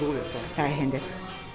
大変です。